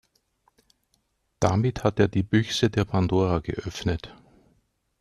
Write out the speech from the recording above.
Damit hat er die Büchse der Pandora geöffnet.